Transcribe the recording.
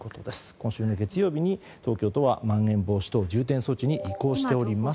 今週月曜日に、東京都はまん延防止等重点措置に移行しております。